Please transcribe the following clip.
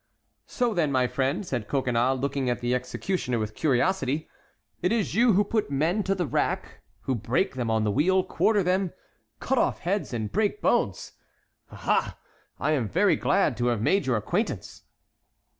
"So then, my friend," said Coconnas, looking at the executioner with curiosity, "it is you who put men to the rack, who break them on the wheel, quarter them, cut off heads, and break bones. Aha! I am very glad to have made your acquaintance."